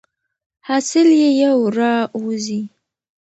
حاصل یې یو را وزي.